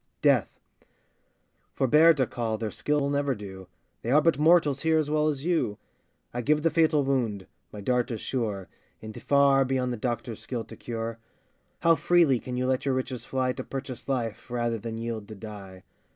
DEATH. Forbear to call, their skill will never do, They are but mortals here as well as you: I give the fatal wound, my dart is sure, And far beyond the doctor's skill to cure. How freely can you let your riches fly To purchase life, rather than yield to die!